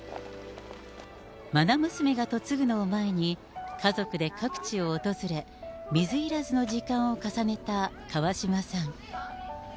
まな娘が嫁ぐのを前に、家族で各地を訪れ、水入らずの時間を重ねた川嶋さん。